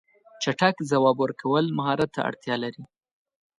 چټک ځواب ورکول مهارت ته اړتیا لري.